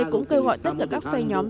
cũng kêu gọi tất cả các phe nhóm